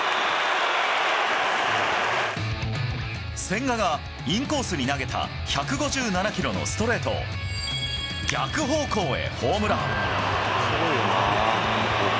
千賀がインコースに投げた１５７キロのストレートを、逆方向へホームラン。